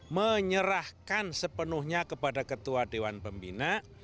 menyerahkan sepenuhnya kepada ketua dewan pembina